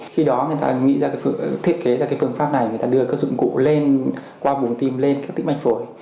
khi đó người ta thiết kế ra phương pháp này người ta đưa các dụng cụ qua bồn tim lên các tĩnh mạch phổi